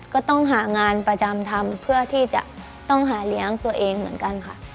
ก็ต้องหางานประจำทำเพื่อที่จะต้องหาเลี้ยงตัวเองเหมือนกันค่ะ